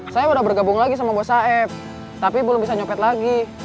saya udah bergabung lagi sama bos aeb tapi belum bisa nyopet lagi